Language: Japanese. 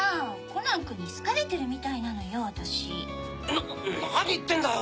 な何言ってんだよ